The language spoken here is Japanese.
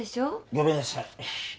ごめんなさい。